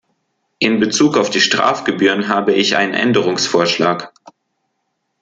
In bezug auf die Strafgebühren habe ich einen Änderungsvorschlag.